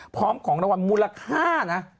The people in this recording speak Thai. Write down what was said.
พร้อมของรางวัลมูลค่านะ